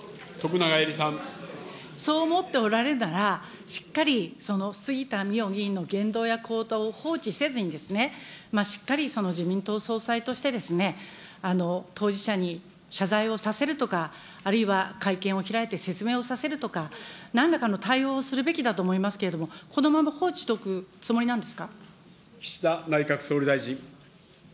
そう思っておられるなら、しっかり杉田水脈議員の言動や行動を放置せずにですね、しっかり自民党総裁として、当事者に謝罪をさせるとか、あるいは会見を開いて説明をさせるとか、なんらかの対応をするべきだと思いますけれども、このまま放置しておくつ岸田内閣総理大臣。